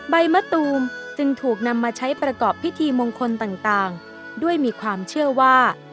ใบมะตูมจึงถูกนำมาใช้ประกอบพิธีมงคลต่างด้วยมีความเชื่อว่า